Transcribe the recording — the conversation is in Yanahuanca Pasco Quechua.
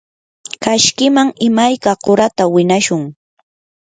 kashkiman imayka qurata winashun.